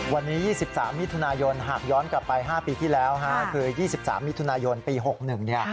วันนี้๒๓มิถุนายนหากย้อนกลับไป๕ปีที่แล้วคือ๒๓มิถุนายนปี๖๑เนี่ย